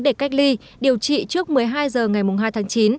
để cách ly điều trị trước một mươi hai h ngày hai tháng chín